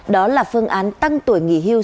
đó là phương án tăng tuổi nghỉ hưu